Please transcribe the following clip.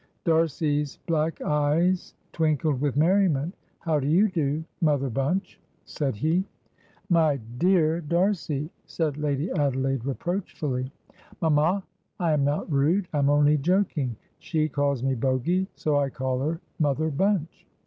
D'Arcy's black eyes twinkled with merriment. "How do you do, Mother Bunch?" said he. "My dear D'Arcy!" said Lady Adelaide, reproachfully. "Mamma, I am not rude. I am only joking. She calls me Bogy, so I call her Mother Bunch."